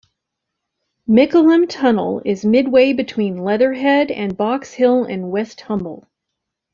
Mickleham Tunnel is midway between Leatherhead and Box Hill and Westhumble.